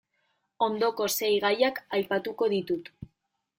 Ondoko sei gaiak aipatuko ditut.